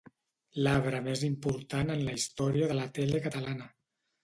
L'arbre més important en la història de la tele catalana.